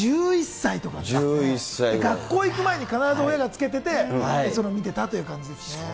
学校行く前に必ず親がつけてて、それを見てたという感じですね。